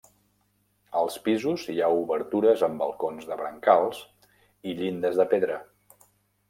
Als pisos hi ha obertures amb balcons de brancals i llindes de pedra.